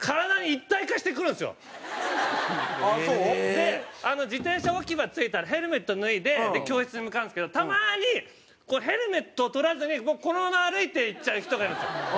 で自転車置き場着いたらヘルメット脱いで教室に向かうんですけどたまにヘルメットを取らずにこのまま歩いていっちゃう人がいるんですよ。